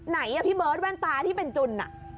ไหนอ่ะพี่เบิร์ตแว่นตาที่เป็นจุน